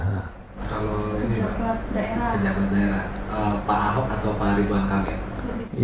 kalau di jakarta daerah pak ahok atau pak arief bangkang ya